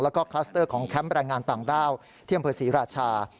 แล้วก็คลัสเตอร์ของแคมป์แรงงานต่างด้าวที่อำเภอศรีราชา